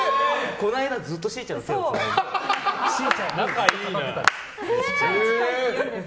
この間、ずっとしーちゃんと手をつないで。